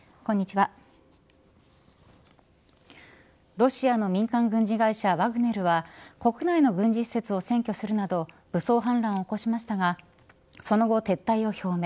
ロシアの民間軍事会社ワグネルは国内の軍事施設を占拠するなど武装反乱を起こしましたがその後撤退を表明。